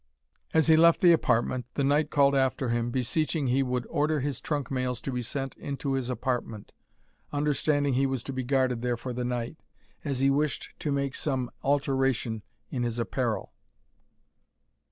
As he left the apartment, the knight called after him, beseeching he would order his trunk mails to be sent into his apartment, understanding he was to be guarded there for the night, as he wished to make some alteration in his apparel.